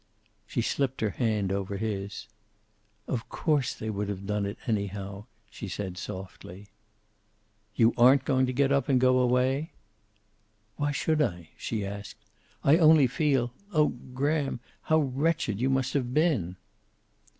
She slipped her hand over his. "Of course they would have done it anyhow," she said softly. "You aren't going to get up and go away?" "Why should I?" she asked. "I only feel oh, Graham, how wretched you must have been."